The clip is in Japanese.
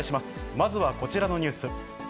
まずはこちらのニュース。